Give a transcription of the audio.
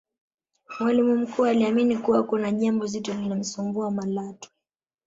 mwalimu mkuu aliamini kuwa kuna jambo zito linalomsumbua Malatwe